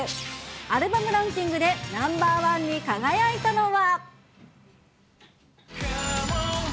アルバムランキングでナンバーワンに輝いたのは。